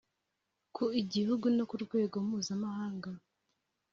ku Igihugu no ku rwego mpuzamahanga